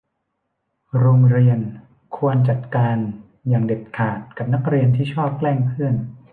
โรงเรียนควรจัดการอย่างเด็ดขาดกับนักเรียนที่ชอบแกล้งเพื่อน